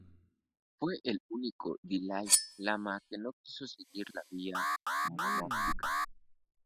Fue el único dalái lama que no quiso seguir la vía monástica.